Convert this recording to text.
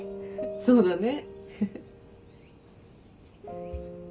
そうだね。